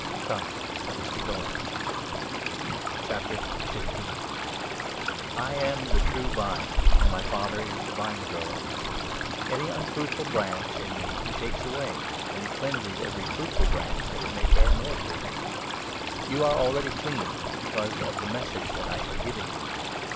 Come, let us be going. The vine I am the True Vine, and my Father is the Vine i j and the grower. Any unfruitful branch in me he takes 2 Branches, away, and he cleanses every fruitful branch, that it may bear more fruit. You are already clean because of the 3 Message that I have given you.